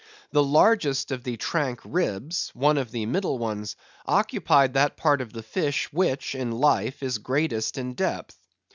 The largest of the Tranque ribs, one of the middle ones, occupied that part of the fish which, in life, is greatest in depth.